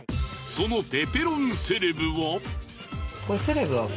そのペペロンセレブは。